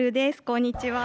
こんにちは。